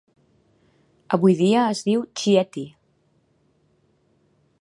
Avui dia es diu Chieti.